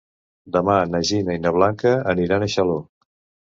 Demà na Gina i na Blanca aniran a Xaló.